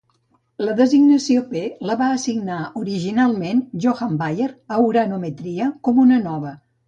La designació "P" la va assignar originalment Johann Bayer a "Uranometria" com una nova.